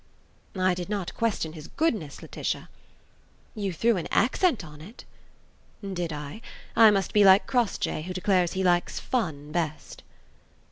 "I did not question his goodness, Laetitia." "You threw an accent on it." "Did I? I must be like Crossjay, who declares he likes fun best."